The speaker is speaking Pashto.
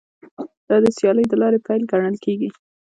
دا د سیالۍ د لارې پیل ګڼل کیږي